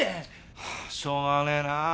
はあしょうがねえなあ。